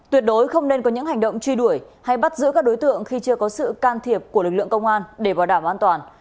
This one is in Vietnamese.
tuyệt đối không nên có những hành động truy đuổi hay bắt giữ các đối tượng khi chưa có sự can thiệp của lực lượng công an để bảo đảm an toàn